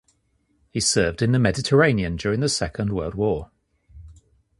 He served in the Mediterranean during the Second World War.